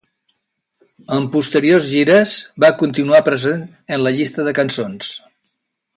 En posteriors gires va continuar present en la llista de cançons.